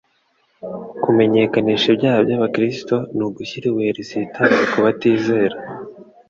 Kumenyekanisha ibyaha by'abakristo ni ugushyira ibuye risitaza ku batizera;